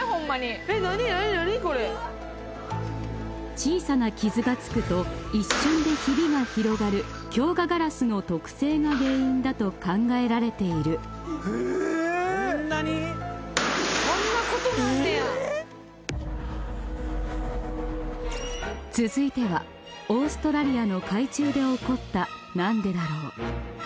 小さな傷がつくと一瞬でヒビが広がる強化ガラスの特性が原因だと考えられている続いてはオーストラリアの海中で起こったなんでだろう？